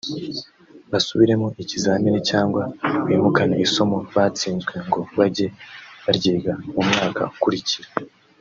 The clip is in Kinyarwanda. basubiremo ikizamini cyangwa bimukane isomo batsinzwe ngo bajye baryiga mu mwaka ukurikira